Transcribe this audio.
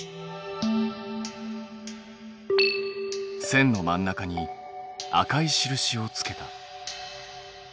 線の真ん中に赤い印をつけた。